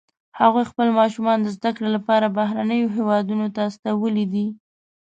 هغوی خپل ماشومان د زده کړې لپاره بهرنیو هیوادونو ته استولي دي